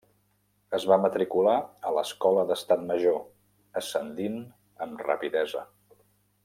Es va matricular a l'Escola d'Estat Major, ascendint amb rapidesa.